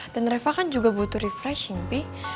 dan reva kan juga butuh refreshing pi